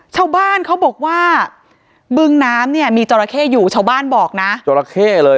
ชาวบ้านเขาบอกว่าบึงน้ำเนี่ยมีจราเข้อยู่ชาวบ้านบอกนะจราเข้เลย